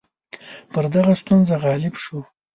پر دغه ستونزه غالب شو.